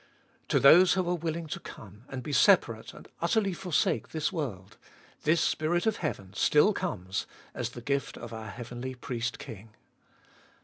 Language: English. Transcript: To those who are willing to come and be separate and utterly forsake this world, this Spirit of heaven still comes as the gift of our heavenly Priest King.